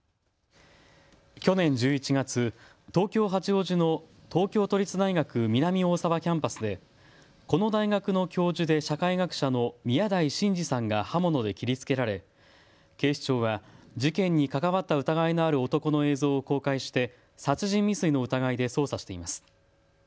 去年１１月、東京八王子の東京都立大学南大沢キャンパスでこの大学の教授で社会学者の宮台真司さんが刃物で切りつけられ警視庁は事件に関わった疑いのある男の映像を公開して殺人未遂の疑いで捜査しています。